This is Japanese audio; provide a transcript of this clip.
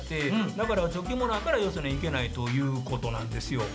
だから貯金もないからよそには行けないということなんですよ。